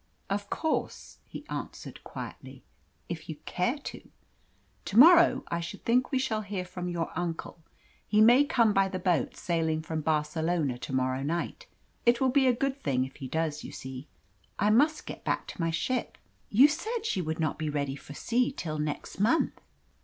"Of course," he answered quietly. "If you care to. To morrow I should think we shall hear from your uncle. He may come by the boat sailing from Barcelona to morrow night. It will be a good thing if he does; you see, I must get back to my ship." "You said she would not be ready for sea till next month."